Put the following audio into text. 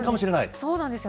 そうなんですよ。